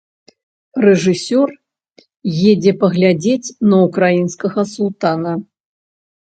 Рэжысёр едзе паглядзець на ўкраінскага султана.